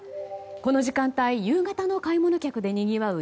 この時間帯、夕方の買い物客でにぎわう